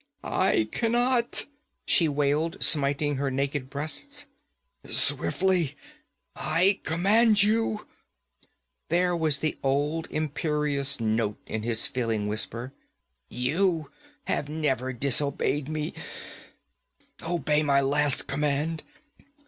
'I cannot!' she wailed, smiting her naked breasts. 'Swiftly, I command you!' There was the old imperious note in his failing whisper. 'You have never disobeyed me obey my last command!